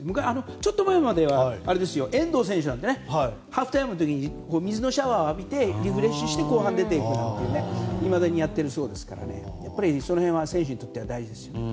ちょっと前までは遠藤選手なんてハーフタイムの時に水のシャワーを浴びてリフレッシュしてから後半出ていくということをいまだにやっているそうですからやっぱりその辺は選手にとって大事ですね。